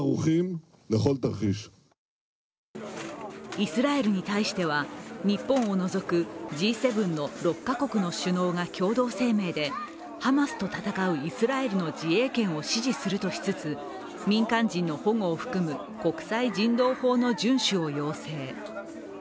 イスラエルに対しては、日本を除くＧ７の６か国の首脳が共同声明で、ハマスと戦うイスラエルの自衛権を支持するとしつつ民間人の保護を含む国際人道法の遵守を要請。